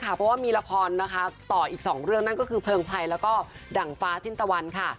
เพราะว่ามีละครนะคะต่ออีก๒เรื่องนั่นก็คือเพลิงไพรแล้วก็ดั่งฟ้าสิ้นตะวันค่ะ